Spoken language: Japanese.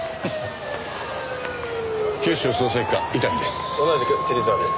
警視庁捜査一課伊丹です。